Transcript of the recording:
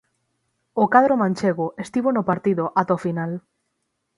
O cadro manchego estivo no partido ata o final.